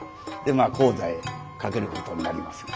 まあ高座へかけることになりますが。